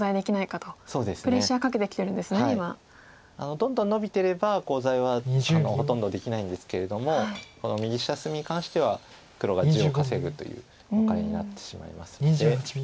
どんどんノビてればコウ材はほとんどできないんですけれども右下隅に関しては黒が地を稼ぐという展開になってしまいますので。